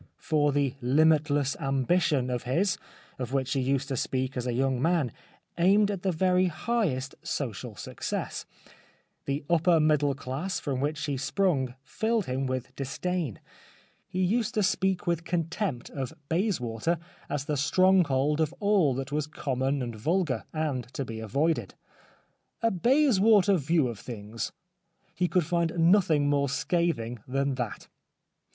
For the " hmitless 176 It. i^^^ji..t.\/» ' A The Life of Oscar Wilde ambition " of his, of which he used to speak as a young man, aimed at the very highest social success. The upper middle class from which he sprung filled him with disdain. He used to speak with contempt of Bayswater as the stronghold of all that was common and vulgar, and to be avoided. " A Bayswater view of things "— he could find nothing more scathing than that.